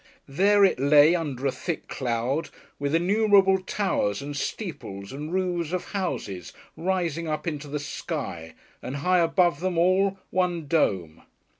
There it lay, under a thick cloud, with innumerable towers, and steeples, and roofs of houses, rising up into the sky, and high above them all, one Dome.